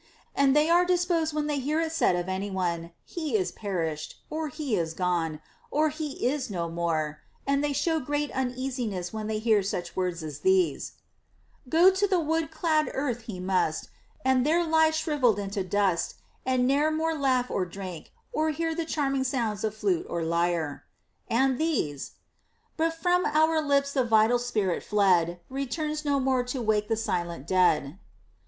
And they are discomposed when they hear it said of any one, he is perished, or he is gone, or he is no more ; and they show great uneasiness when they hear such words as these : Go to the wood clad earth he must, And there lie shrivelled into dust, And ne'er more lau^h or drink, or hear The charming sounds of flute or lyre; and these But from our lips the vital spirit fled Returns no more to wake the silent dead.